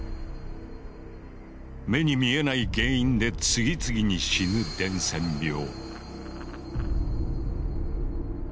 目に見えない原因で次々に死ぬ伝染病。